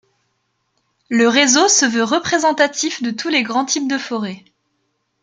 Le réseau se veut représentatif de tous les grands types de forêt.